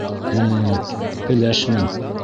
Э-э... пеләшмен!